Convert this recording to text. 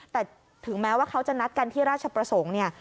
แต่ถึงแม้ว่าเขาจะนัดกันที่ราชประสงค์เนี่ย